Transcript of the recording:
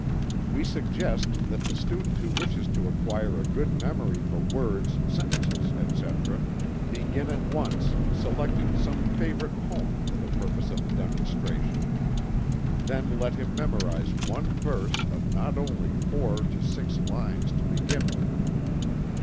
We suggest that the student who wishes to acquire a good memory for words, sentences, etc., begin at once, selecting some favorite poem for the purpose of the demonstration. Then let him memorize one verse of not over four to six lines to begin with.